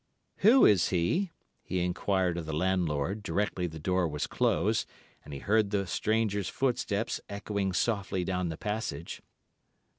"'Who is he?' he enquired of the landlord, directly the door was closed, and he heard the stranger's footsteps echoing softly down the passage.